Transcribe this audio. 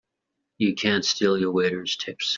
You can't steal your waiters' tips!